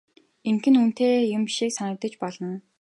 Ингэх нь үнэтэй юм шиг санагдаж болно.